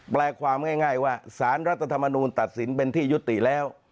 แปลความง่ายว่าสารรัฐธรรมนูลตัดสินเป็นที่ยุติแล้ว